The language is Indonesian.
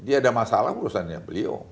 dia ada masalah urusannya beliau